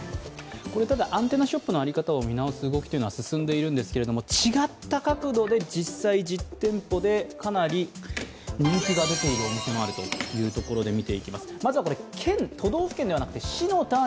ただアンテナショップを見直す動きは進んでいるんですが違った角度で実際、実店舗でかなり人気が出ているお店も出ているということです。